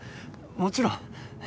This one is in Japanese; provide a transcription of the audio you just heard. もちろん！